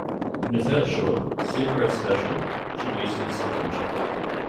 In the third short, SuperS Special: Chibiusa's Adventure!